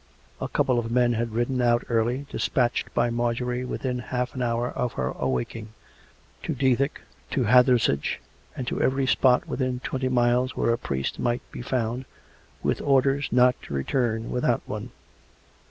A couple of men had ridden out early, dispatched by Marjorie within half an hour of her awaking — to Dethick, to Hathersage, and to every spot within twenty miles where a priest might be found, with orders not to return without one.